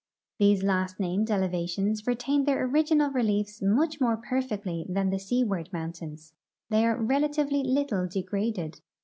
These last named elevations retain their original reliefs much more perfectly than the seaward moun tains ; they are relatively little degraded.